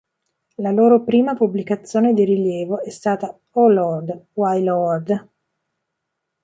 La loro prima pubblicazione di rilievo è stata "Oh Lord, Why Lord?